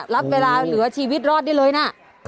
รับเวลาเหลือชีวิตรอดได้เลยนะ